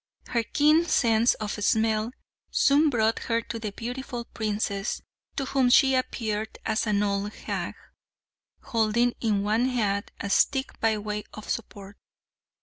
Her keen sense of smell soon brought her to the beautiful princess, to whom she appeared as an old hag, holding in one hand a stick by way of support.